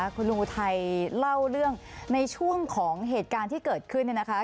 คุณลุงอุทัยเล่าเรื่องในช่วงของเหตุการณ์ที่เกิดขึ้นเนี่ยนะคะ